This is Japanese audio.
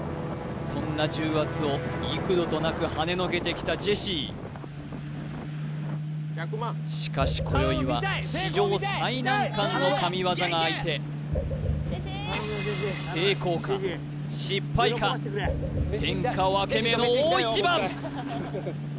そんな重圧を幾度となくはねのけてきたジェシーしかし今宵は史上最難関の神業が相手天下分け目の大一番！